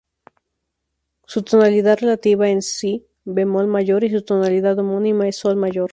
Su tonalidad relativa es "si" bemol mayor, y su tonalidad homónima es "sol" mayor.